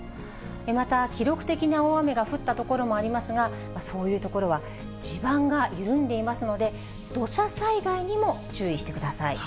また、記録的な大雨が降った所もありますが、そういう所は地盤が緩んでいますので、土砂災害にも注意してください。